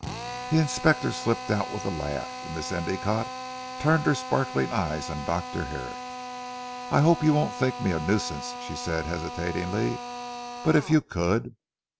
The Inspector slipped out with a laugh, and Miss Endicotte turned her sparkling eyes on Dr. Herrick. "I hope you won't think me a nuisance," she said, hesitating, "but if you could."